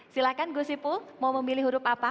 silahkan gus ipul mau memilih huruf apa